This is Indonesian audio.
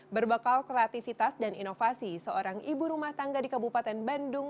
berbekal kreativitas dan inovasi seorang ibu rumah tangga di kabupaten bandung